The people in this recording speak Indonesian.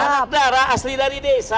anak darah asli dari desa